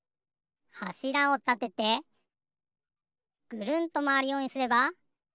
はしらをたててぐるんとまわるようにすれば。